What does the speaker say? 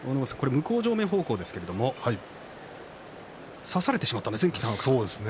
向正面方向ですけれども差されてしまったんですね。